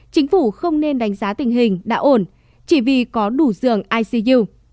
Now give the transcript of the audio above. chính phủ không nên đánh giá tình hình đã ổn chỉ vì có đủ giường icu